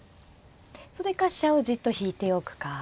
それか飛車をじっと引いておくか。